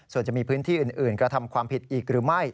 ส่วนจะมีพื้นที่อื่นกระทำความผิดอีกหรือไม่